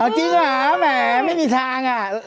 จริงเหรอแหมไม่มีทางอะ